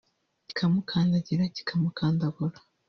kikamukandagira kikamugandagura